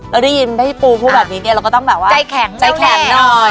เราได้ยินพี่ปูพูดแบบนี้เนี่ยเราก็ต้องแบบว่าใจแข็งหน่อยใจแข็งหน่อย